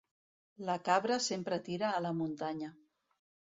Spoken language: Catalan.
La cabra sempre tira a la muntanya.